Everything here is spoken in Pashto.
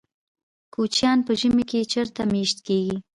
کوچیان په ژمي کې چیرته میشت کیږي؟